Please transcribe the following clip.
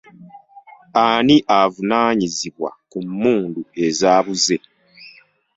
Ani avunaanyizibwa ku mmundu ezaabuze?